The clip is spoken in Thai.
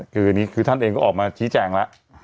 คือนี้คือท่านเองก็ออกมาชี้แจ่งละ